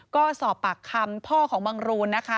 ก็สอบปากคำพ่อของบังรูนนะคะ